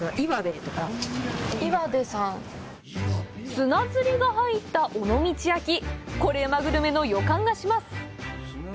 砂ずりが入った尾道焼コレうまグルメの予感がします！